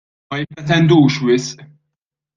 Ma jippretendux wisq.